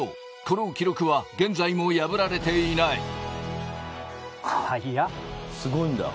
この記録は現在も破られていないすごいんだ。